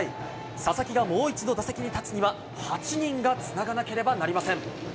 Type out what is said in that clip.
佐々木がもう一度打席に立つには８人がつながなければなりません。